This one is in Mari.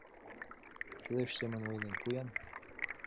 Кӱлеш семын ойлен пу-ян!